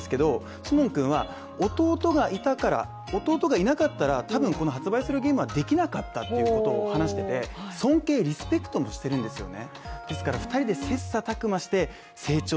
シモンくんは弟がいたから、弟がいなかったら多分この発売するゲームはできなかったっていうことを話しててリスペクトしてるんですよね。